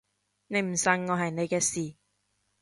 你唔信我係你嘅事